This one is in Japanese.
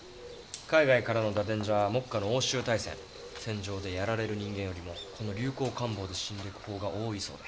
海外からの打電じゃ目下の欧州大戦戦場でやられる人間よりもこの流行感冒で死んでく方が多いそうで。